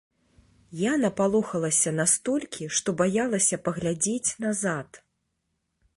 Я напалохалася настолькі, што баялася паглядзець назад.